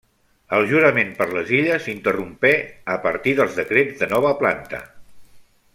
El jurament per les Illes s'interrompé a partir dels Decrets de Nova Planta.